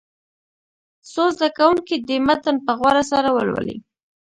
څو زده کوونکي دې متن په غور سره ولولي.